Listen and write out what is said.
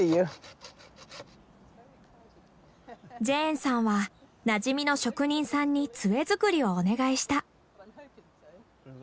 ジェーンさんはなじみの職人さんに杖作りをお願いした。